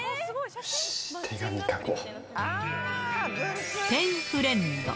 よし、手紙書こう。